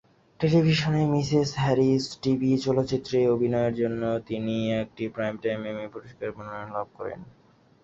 টেলিভিশনে "Mrs Harris" TV চলচ্চিত্রে অভিনয়ের জন্য তিনি একটি প্রাইমটাইম এমি পুরস্কারের মনোনয়ন লাভ করেন।